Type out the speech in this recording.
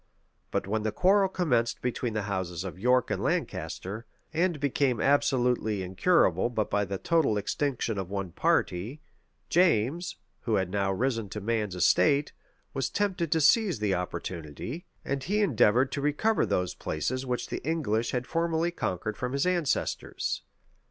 But when the quarrel commenced between the houses of York and Lancaster, and became absolutely incurable but by the total extinction of one party, James, who had now risen to man's estate, was tempted to seize the opportunity, and he endeavored to recover those places which the English had formerly conquered from his ancestors.